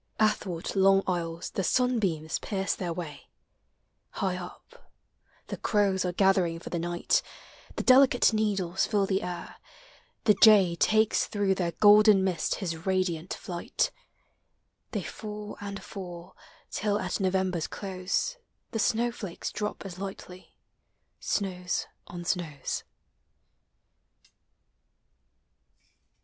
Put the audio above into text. Athwart long aisles the sunbeams pierce their way; High up, the crows are gathering for the night; The delicate needles fill the air; the jay Takes through their golden mist his radiant flight; They fall and fall, till at November's close The snow ilakes drop as lightly — snows on snows.